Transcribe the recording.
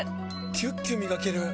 キュッキュ磨ける！